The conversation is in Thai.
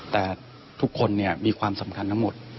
แต่ทุกคนมีความสำคัญทั้งหมด